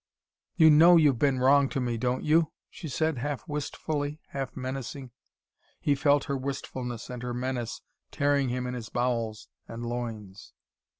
"You know you've been wrong to me, don't you?" she said, half wistfully, half menacing. He felt her wistfulness and her menace tearing him in his bowels and loins.